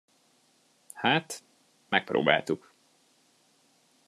Hát, megpróbáltuk.